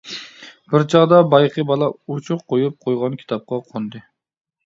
بىر چاغدا بايىقى بالا ئوچۇق قويۇپ قويغان كىتابقا قوندى.